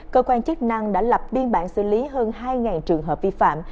cơ quan chức năng đã lập biên bản xử lý hơn hai trường hợp vi phạm